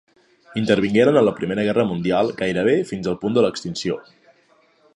Intervingueren en la Primera Guerra Mundial gairebé fins al punt de l'extinció.